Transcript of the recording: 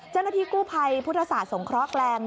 เจ้าหน้าที่กู้ภัยพุทธศาสตร์สงเคราะห์แรง